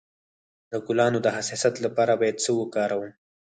د ګلانو د حساسیت لپاره باید څه وکاروم؟